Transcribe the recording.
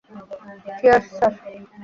Cheers, sir.